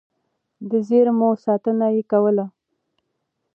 د زېرمو ساتنه يې کوله.